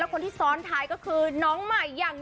แล้วคนที่ทร้อนท้ายคือน้องใหม่อย่าง